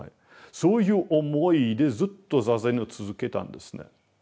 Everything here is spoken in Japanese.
そういう思いでずっと坐禅を続けたんですね。